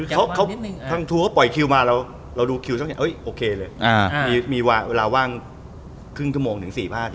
ทางทูลเขาปล่อยคิวมาแล้วเราดูคิวโอเคเลยมีเวลาว่างครึ่งทุ่มโมงถึง๔๕อาทิตย์